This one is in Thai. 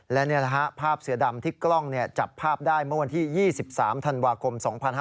และนี่แหละฮะภาพเสือดำที่กล้องจับภาพได้เมื่อวันที่๒๓ธันวาคม๒๕๕๙